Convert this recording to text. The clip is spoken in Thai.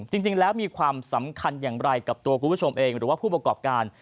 จริงแล้วมีความสำคัญอย่างไรกับตัวคุณผู้ชมเองหรือว่าผู้ประกอบการ